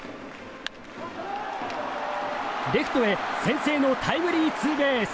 レフトへ先制のタイムリーツーベース。